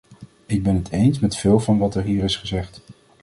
Ik ben het eens met veel van wat er hier is gezegd.